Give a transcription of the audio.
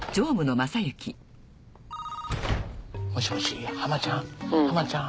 もしもしハマちゃんハマちゃん。